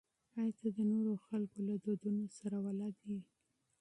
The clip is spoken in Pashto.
آیا ته د نورو خلکو دودونه پېژنې؟